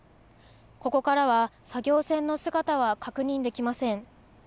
ここからは作業船の姿は確認できません。